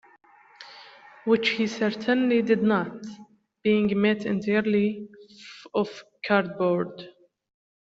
Which he certainly did not, being made entirely of cardboard.